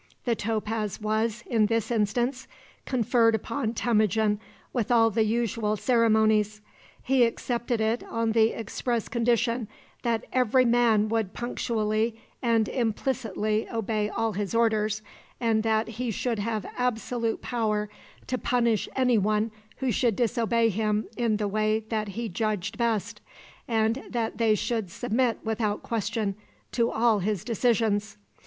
The topaz was, in this instance, conferred upon Temujin with all the usual ceremonies. He accepted it on the express condition that every man would punctually and implicitly obey all his orders, and that he should have absolute power to punish any one who should disobey him in the way that he judged best, and that they should submit without question to all his decisions.